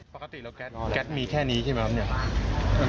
ปกติแก๊สมีแค่นี้ใช่ไหมครับ